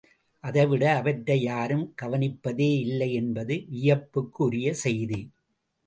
அதைவிட, அவற்றை யாரும் கவனிப்பதே இல்லை என்பது வியப்புக்கு உரிய செய்தி.